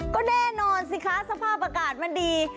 ก็แน่นอนสิคะสภาพอากาศมันดี